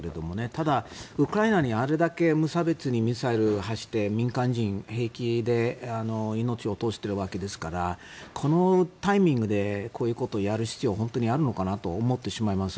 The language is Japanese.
ただ、ウクライナにあれだけ無差別にミサイルを発射して民間人が平気で命を落としているわけですからこのタイミングでこういうことをやる必要が本当にあるのかなと思ってしまいます。